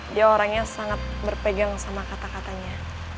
dia orangnya sangat berpegang sama kata katanya